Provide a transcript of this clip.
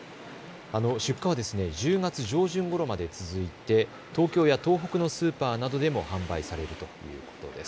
出荷は１０月上旬ごろまで続いて東京や東北のスーパーなどでも販売されるということです。